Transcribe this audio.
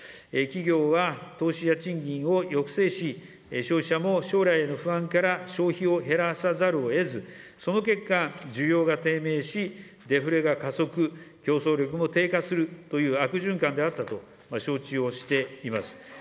企業は投資や賃金を抑制し、消費者も将来への不安から消費を減らさざるをえず、その結果、需要が低迷し、デフレが加速、競争力も低下するという悪循環であったと承知をしています。